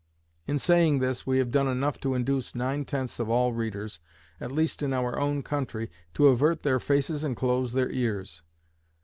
In saying this, we have done enough to induce nine tenths of all readers, at least in our own country, to avert their faces and close their ears.